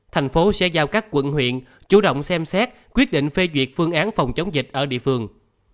thành phố sẽ giao các quận huyện chủ động xem xét quyết định phê duyệt phương án phòng chống dịch ở địa phương